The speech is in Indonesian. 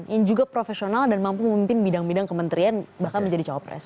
yang juga profesional dan mampu memimpin bidang bidang kementerian bahkan menjadi cawapres